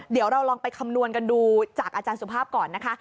เดี๋ยวเราลองไปคำนวณกันดูจากอาจารย์สุภาพก่อนนะคะ